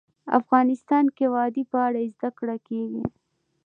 افغانستان کې د وادي په اړه زده کړه کېږي.